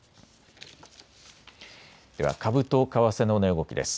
では株と為替の値動きです。